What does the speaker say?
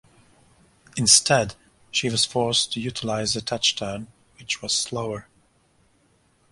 Instead, she was forced to utilise the touch turn, which was slower.